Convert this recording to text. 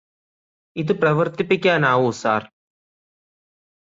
ഇത് പ്രവര്ത്തിപ്പിക്കാനാവൂ സര്